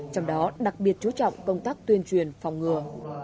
trong đó đặc biệt chú trọng công tác tuyên truyền phòng ngừa